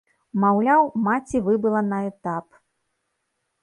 Маўляў, маці выбыла на этап.